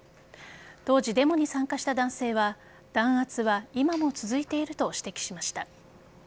当時、デモに参加した男性は弾圧は今も続いていると指摘しました。